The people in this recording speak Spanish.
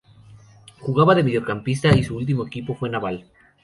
Jugaba de mediocampista y su último equipo fue Naval.